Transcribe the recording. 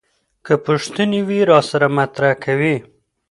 که پوښتنې وي راسره مطرح کوي.